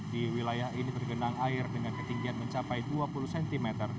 di wilayah ini tergenang air dengan ketinggian mencapai dua puluh cm